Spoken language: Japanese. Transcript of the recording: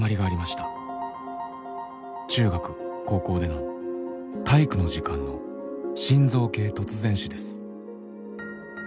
中学・高校での「体育」の時間の「心臓系突然死」です。